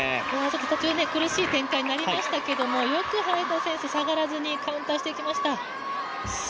途中、苦しい展開になりましたけどもよく早田選手、下がらずにカウンターしていきました。